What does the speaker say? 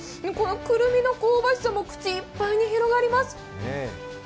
このくるみの香ばしさも口いっぱいに広がります。